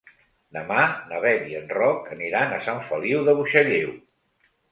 Demà na Beth i en Roc aniran a Sant Feliu de Buixalleu.